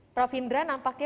prof hindra nampaknya